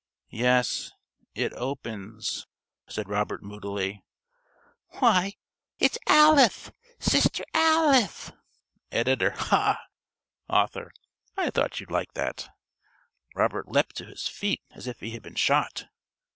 "Yes, it opens," said Robert moodily. "Why, it's Alith! Sister Alith." (~Editor.~ Ha! ~Author.~ I thought you'd like that.) Robert leapt to his feet as if he had been shot.